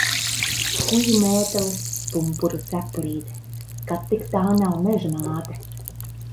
Skuju mētelis, pumpuru cepurīte. Kad tik tā nav Meža māte?